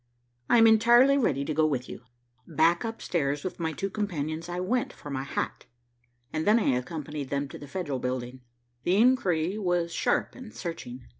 "I am entirely ready to go with you." Back up stairs with my two companions I went for my hat, and then I accompanied them to the Federal building. The inquiry was sharp and searching.